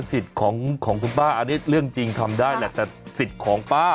สิทธิ์ของคุณป้าอันนี้เรื่องจริงทำได้แหละแต่สิทธิ์ของป้า